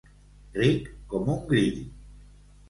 Ric com un grill.